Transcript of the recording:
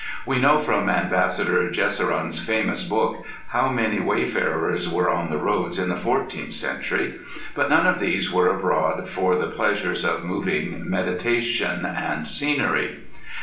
We know from Ambassador Jusserand's famous book how many wayfarers were on the roads in the fourteenth century, but none of these were abroad for the pleasures of moving meditation and scenery.